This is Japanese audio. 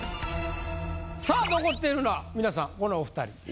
さあ残っているのは皆さんこのお二人。